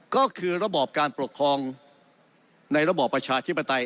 ก็คือระบอบการปกครองในระบอบประชาธิปไตย